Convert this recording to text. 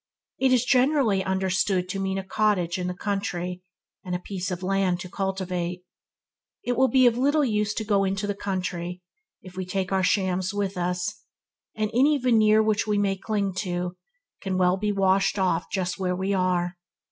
It is generally understood to mean a cottage in the country, and a piece of land to cultivate. It will be of little use to go into the country if we take our shams with us; and any veneer which may cling to us can as well be washed off just where we are.